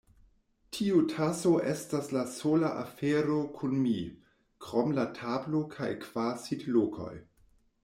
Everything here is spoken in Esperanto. Tiu taso estas la sola afero kun mi, krom la tablo kaj kvar sidlokoj.